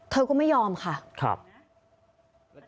เธอก็ไม่ยอมค่ะ